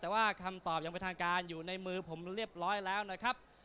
แต่ว่าคำตอบยังเป็นทางการอยู่ในมือผมเรียบร้อยแล้วนะครับ